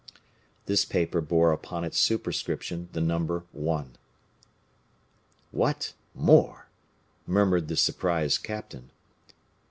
This paper bore upon its superscription the number 1. "What, more!" murmured the surprised captain.